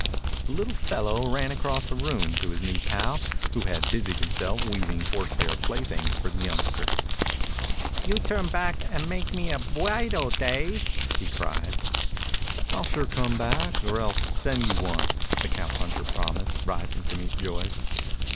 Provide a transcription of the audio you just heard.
The little fellow ran across the room to his new pal, who had busied himself weaving horsehair playthings for the youngster. "You turn back and make me a bwidle, Dave," he cried. "I'll sure come or else send you one," the cowpuncher promised, rising to meet Joyce.